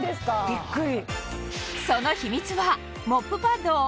ビックリ。